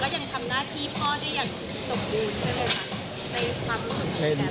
พ่อจะยังสมบูรณ์ให้คุณสงกรานในความคิดเห็น